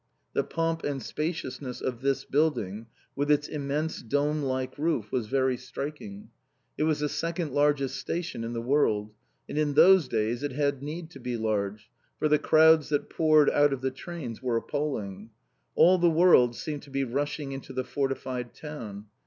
The pomp and spaciousness of this building, with its immense dome like roof, was very striking. It was the second largest station in the world. And in those days it had need to be large, for the crowds that poured out of the trains were appalling. All the world seemed to be rushing into the fortified town.